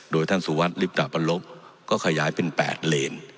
โดยท่านสุวรรษริปรับประลบก็ขยายเป็นแปดเลน